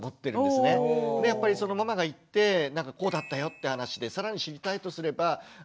でやっぱりママが行って「こうだったよ」って話で更に知りたいとすれば